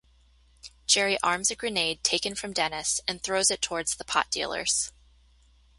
Jerry arms a grenade taken from Dennis and throws it towards the pot dealers.